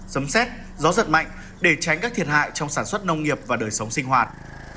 giấm xét gió giật mạnh để tránh các thiệt hại trong sản xuất nông nghiệp và đời sống sinh hoạt